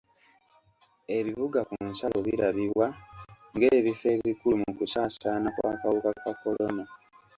Ebibuga ku nsalo birabibwa ng'ebifo ebikulu mu kusaasaana kw'akawuka ka kolona.